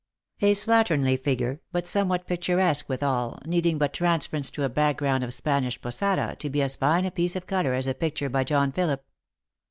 A slatternly figure, but somewhat picturesque withal, needing but transference to a background of Spanish posada to be as fine a piece of colour as a picture by John Philip.